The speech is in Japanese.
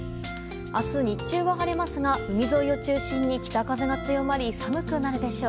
明日日中は晴れますが海沿いを中心に北風が強まり寒くなるでしょう。